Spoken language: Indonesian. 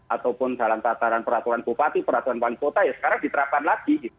ataupun dalam tataran peraturan bupati peraturan wali kota ya sekarang diterapkan lagi